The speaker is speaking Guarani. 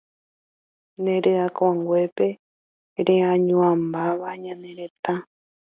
Ne ryakuãnguépe reañuãmbáva ñane retã